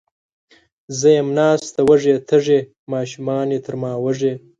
زه یم ناسته وږې، تږې، ماشومانې تر ما وږي